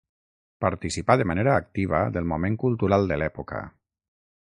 Participà de manera activa del moment cultural de l'època.